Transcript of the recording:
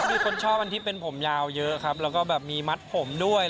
มีคนชอบอันที่เป็นผมยาวเยอะครับแล้วก็แบบมีมัดผมด้วย